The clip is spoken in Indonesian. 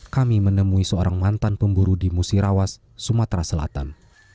kami menemui seorang mantan pemburu di musirawas sumatera selatan